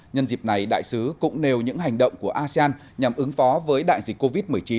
nhân dịp này đại sứ cũng nêu những hành động của asean nhằm ứng phó với đại dịch covid một mươi chín